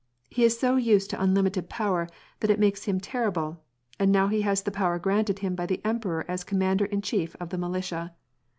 He is so used to unlimited power that it makes him terrible, and now he has the power granted him by the Emperor as commander in chief of the militia.